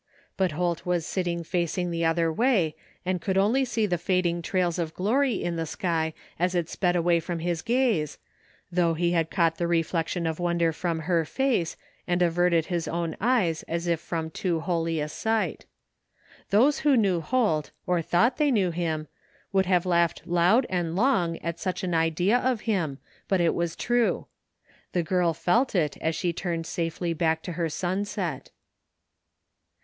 But Holt was sitting facing the other way and cotild see only the fading trails of glory in the sky as it sped away from his gaze, though he had caught the reflection of wonder from her face, and averted his own eyes as if from too holy a sight. Those who knew Holt, or thought they knew him, would have laughed loud and long at such an idea of him, but it was true. The girl felt it as she tiuned safely back to her sunset.